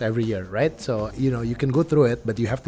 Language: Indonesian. dan orang orang melalui musim panas setiap tahun